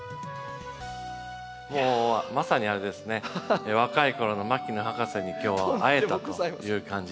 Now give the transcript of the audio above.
まさにあれですね若いころの牧野博士に今日は会えたという感じです。